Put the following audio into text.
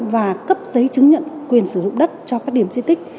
và cấp giấy chứng nhận quyền sử dụng đất cho các điểm di tích